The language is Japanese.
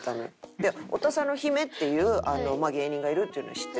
でオタサーのヒメっていう芸人がいるっていうのは知ってて。